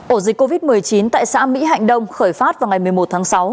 ổ dịch covid một mươi chín tại xã mỹ hạnh đông khởi phát vào ngày một mươi một tháng sáu